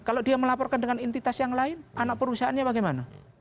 kalau dia melaporkan dengan entitas yang lain anak perusahaannya bagaimana